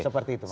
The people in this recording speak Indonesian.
seperti itu mas